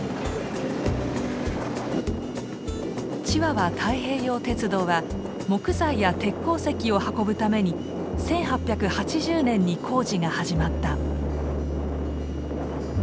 チワワ太平洋鉄道は木材や鉄鉱石を運ぶために１８８０年に工事が始まった。